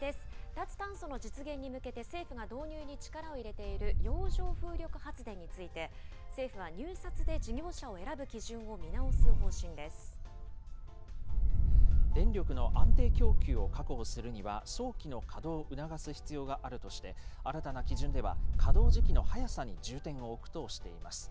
脱炭素の実現に向けて政府が導入に力を入れている洋上風力発電について、政府は入札で事業者を選電力の安定供給を確保するには、早期の稼働を促す必要があるとして、新たな基準では、稼働時期の早さに重点を置くとしています。